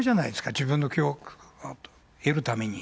自分の票を得るために。